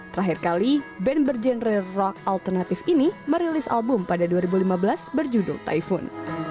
terakhir kali band berjenre rock alternatif ini merilis album pada dua ribu lima belas berjudul typhone